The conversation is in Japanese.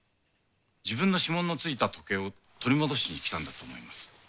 自分の指紋のついた時計を取り戻しに来たんだと思います。